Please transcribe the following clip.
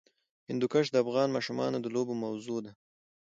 هندوکش د افغان ماشومانو د لوبو موضوع ده.